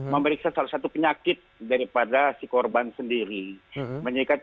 memeriksa salah satu penyakit daripada si korban sendiri